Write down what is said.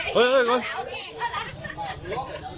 สวัสดีครับคุณแฟม